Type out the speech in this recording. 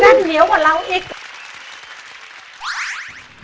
เหนียวกว่าเราอีก